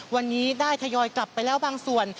วันนี้ได้ทยอยกลับไปแล้วบางส่วน